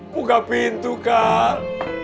buka pintu kal